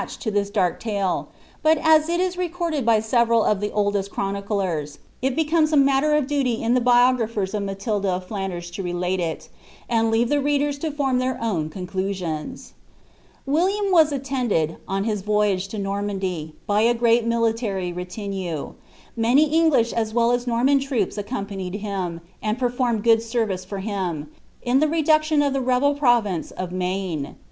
h«d to this dark talc ; but as il is recorded by several of ihe (ilil«st clironiclerv. it becomes a matter of duty in the biographers of MalilJa of Flanders to relate it, and leave the readers to form likeir own William was attended, on his voyage to Normandy, by a great mili ury retinue; matiy English aa well as Norman troops accompanieJ hiiD,' and performed good service for him, in the reduction of the rebel pt»>vm« of Maine.